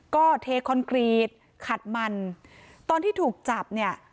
ก็เทคอนกรีตขัดมันตอนที่ถูกจับเนี่ย